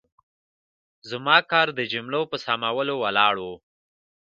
زما کار د جملو په سمولو ولاړ و.